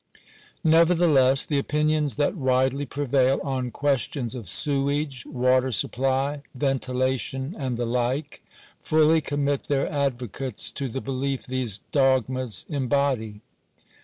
Nevertheless, the opinions that widely prevail on questions of sewage, water supply, ventilation, and the like, fully commit their advocates to the belief these dogmas embody.